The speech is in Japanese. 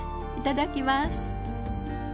いただきます。